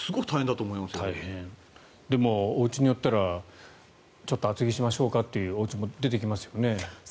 だけど、おうちによったらちょっと厚着しましょうかというおうちも出てきますよね。